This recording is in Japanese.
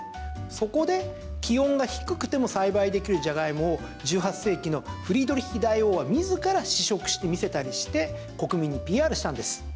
そこで、気温が低くても栽培できるジャガイモを１８世紀のフリードリヒ大王は自ら試食してみせたりして国民にＰＲしたんです。